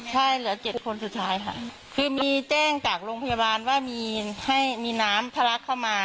ใช่เหลือเจ็ดคนสุดท้ายค่ะคือมีแจ้งจากโรงพยาบาลว่ามีให้มีน้ำทะลักเข้ามา